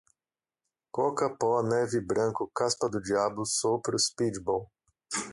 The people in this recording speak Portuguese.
coca, pó, neve, branco, caspa do diabo, sopro, speedball